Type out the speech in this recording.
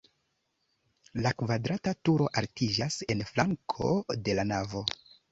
La kvadrata turo altiĝas en flanko de la navo.